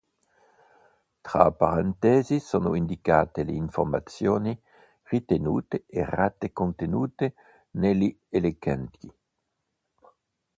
Tra parentesi sono indicate le informazioni ritenute errate contenute negli elenchi.